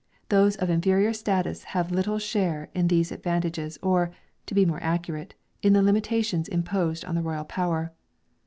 Those of inferior status have little share in these advantages or to be more accurate in the limitations imposed on the royal power.